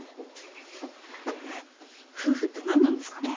夫婦って何なんですかね。